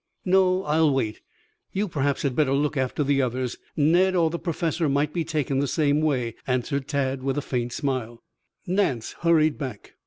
"No, I'll wait. You perhaps had better look after the others, Ned or the Professor might be taken the same way," answered Tad, with a faint smile. Nance hurried back.